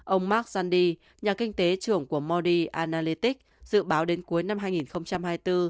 ông mark zandi nhà kinh tế trưởng của maudie analytics dự báo đến cuối năm hai nghìn hai mươi bốn